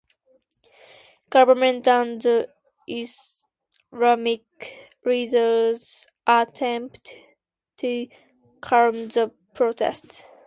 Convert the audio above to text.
Government and Islamic leaders attempted to calm the protests.